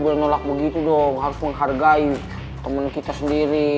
bukan nolak begitu dong harus menghargai temen kita sendiri